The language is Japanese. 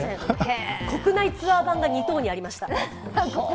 国内ツアー版が２等にありました